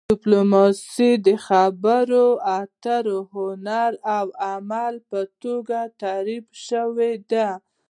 ډیپلوماسي د خبرو اترو هنر او عمل په توګه تعریف شوې ده